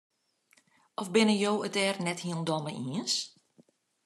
Of binne jo it dêr net hielendal mei iens?